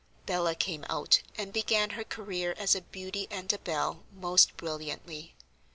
Bella "came out" and began her career as a beauty and a belle most brilliantly.